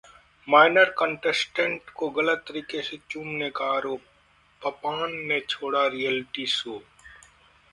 minor contestant को गलत तरीके से चूमने का आरोप, पपॉन ने छोड़ा रियलिटी शो